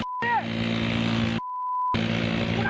มันจอดนะ